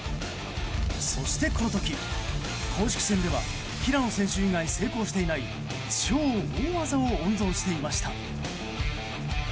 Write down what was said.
そしてこの時、公式戦では平野選手以外成功していない超大技を温存していました。